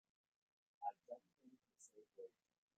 I jumped in to save Rachel.